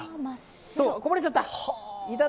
こぼれちゃった。